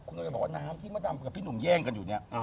คุณกำลังจะบอกว่าน้ำที่มดดำกับพี่หนุ่มแย่งกันอยู่เนี่ย